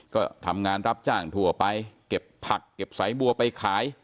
ก็ทำงานรับจ้างทั่วไปเก็บผักเก็บสายบัวไปขาย